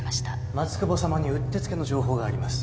松久保さまにうってつけの情報があります